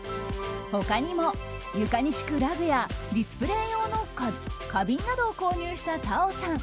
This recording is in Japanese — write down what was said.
他にも、床に敷くラグやディスプレー用の花瓶などを購入したＴａｏさん。